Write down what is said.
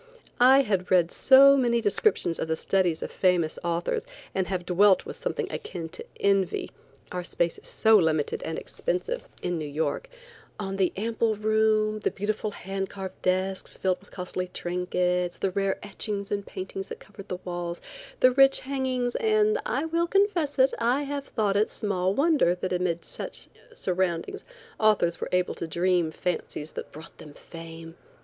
I had read so many descriptions of the studies of famous authors, and have dwelt with something akin to envy (our space is so limited and expensive in New York) on the ample room, the beautiful hand carved desks filled with costly trinkets, the rare etchings and paintings that covered the walls, the rich hangings, and, I will confess it, I have thought it small wonder that amid such surroundings authors were able to dream fancies that brought them fame.